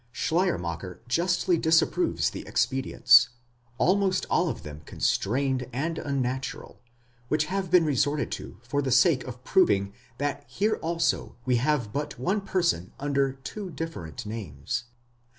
Schleiermachei justly disapproves the expedients, almost all of them constrained and unnatural, which have been resorted to for the sake of proving that here also, we have but one person under two different names.